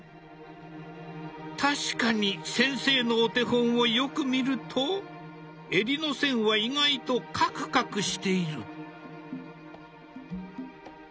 確かに先生のお手本をよく見ると襟の線は意外とカクカクしている。